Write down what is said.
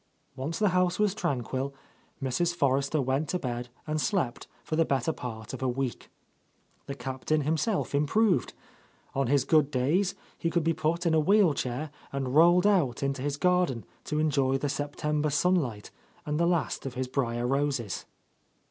Once the house was tranquil, Mrs. Forrester went to bed and slept for the better part of a week. The Captain himself improved. On his good days he could be put into a wheel chair and rolled out into his garden to enjoy the September sunlight and the last of his briar roses.